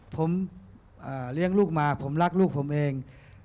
ผมเลี้ยงลูกมาผมรักลูกผมเอง